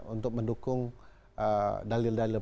untuk mendukung dalil dalil